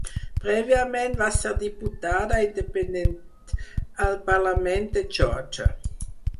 Prèviament va ser diputada independent al Parlament de Geòrgia.